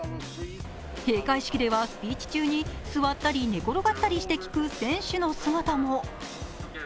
閉会式ではスピーチ中に座ったり寝転がったりして聞く選手たちの姿も。